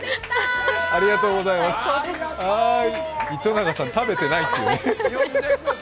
糸永さん、食べてないという。